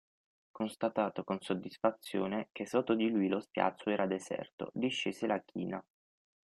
Constatato con soddisfazione che sotto di lui lo spiazzo era deserto, discese la china.